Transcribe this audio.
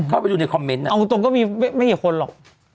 เอาจริงก็ไม่เห็นคนหรอก